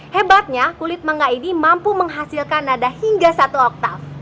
hebatnya kulit mangga ini mampu menghasilkan nada hingga satu oktav